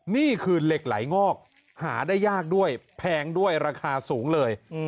นี่คือเหล็กไหลงอกหาได้ยากด้วยแพงด้วยราคาสูงเลย